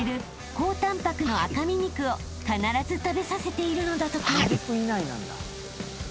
高タンパクの赤身肉を必ず食べさせているのだとか］